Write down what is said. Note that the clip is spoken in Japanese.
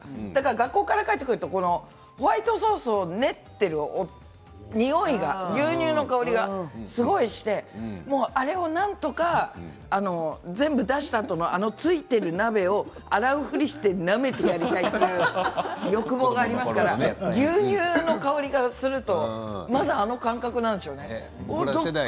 学校から帰ってくるとホワイトソースを練っている匂い牛乳の香りがすごくしてあれをなんとか全部出したあとの付いている鍋を洗うふりをしてなめてやりたいという欲望がありますから牛乳の香りがするとまだ、あの感覚なんでしょうね。